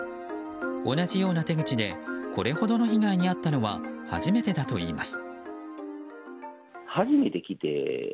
同じような手口でこれほどの被害に遭ったのは初めてだといいます。